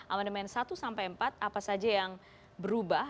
amandemen satu sampai empat apa saja yang berubah